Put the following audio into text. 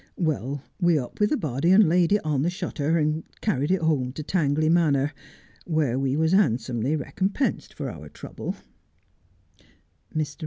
"Well, we up with the body and laid it on the shutter, and carried it home to Tangley Manor, where we was 'andsomely recompensed for our trouble.